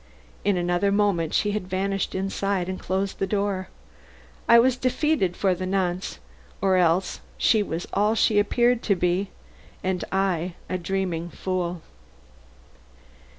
In another moment she had vanished inside and closed the door. I was defeated for the nonce, or else she was all she appeared to be and I a dreaming fool.